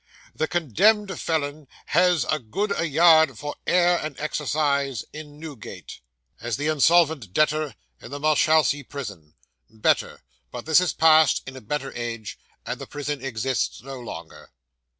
The condemned felon has as good a yard for air and exercise in Newgate, as the insolvent debtor in the Marshalsea Prison. [Better. But this is past, in a better age, and the prison exists no longer.